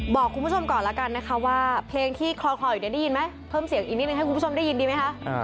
บอกคุณผู้ชมก่อนแล้วกันนะคะว่าเพลงที่คลออยู่เดี๋ยวได้ยินไหมเพิ่มเสียงอีกนิดนึงให้คุณผู้ชมได้ยินดีไหมคะ